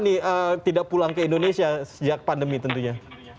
berapa lama nih tidak pulang ke indonesia sejak pandemi tentunya